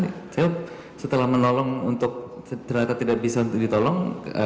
saya setelah menolong untuk ternyata tidak bisa ditolong